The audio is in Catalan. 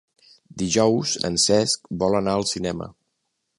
Dijous en Cesc vol anar al cinema.